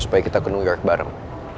supaya kita ke new york bareng